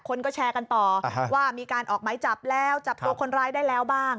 คนก็แชร์กันต่อว่ามีการออกไหมจับแล้วจับตัวคนร้ายได้แล้วบ้าง